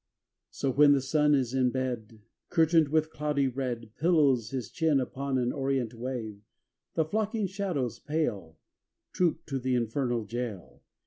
XXVI So, when the Sun in bed, Curtained with cloudy red, Pillows his chin upon an orient wave, The flocking shadows pale Troop to the infernal jail.